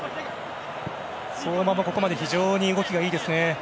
相馬もここまで非常に動きがいいですね。